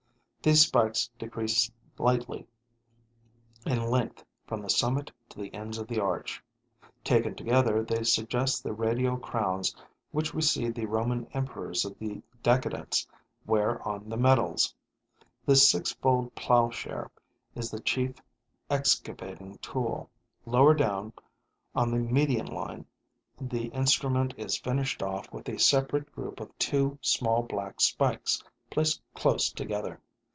These spikes decrease slightly in length from the summit to the ends of the arch. Taken together, they suggest the radial crowns which we see the Roman emperors of the Decadence wear on the medals. This six fold plowshare is the chief excavating tool. Lower down, on the median line, the instrument is finished off with a separate group of two small black spikes, placed close together.